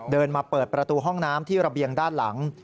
เดินมาเปิดประตูห้องน้ำที่ระเบียงด้านหลัง